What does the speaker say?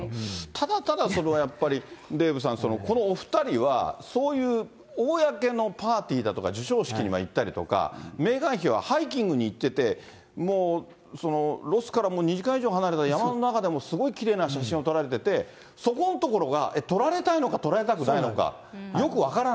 ただただそのやっぱり、デーブさん、このお２人は、そういう公のパーティーだとか、授賞式には行ったりとか、メーガン妃はハイキングに行ってて、もうロスから２時間以上離れた山の中でもすごいきれいな写真を撮られてて、そこのところが、撮られたいのか撮られたくないのか、よく分からない。